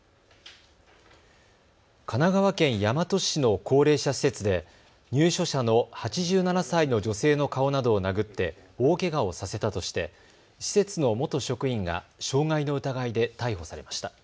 神奈川県大和市の高齢者施設で入所者の８７歳の女性の顔などを殴って大けがをさせたとして施設の元職員が傷害の疑いで逮捕されました。